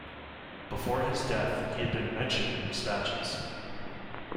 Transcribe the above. Before his death, he had been Mentioned in Despatches.